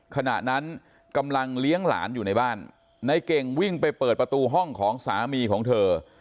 ขณะนั้นกำลังเลี้ยงหลานอยู่ในบ้านในเก่งวิ่งไปเปิดประตูห้องของสามีของเธอ